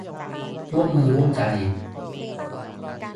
ร่วมมือร่วมใจ